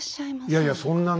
いやいやそんなねえ